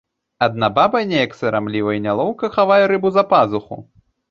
Адна баба неяк сарамліва і нялоўка хавае рыбу за пазуху.